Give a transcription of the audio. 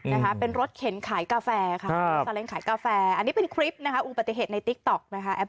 อันนี้เป็นรถเข็นขายกาแฟอันนี้เป็นคลิปอุบัติเหตุในติ๊กต๊อก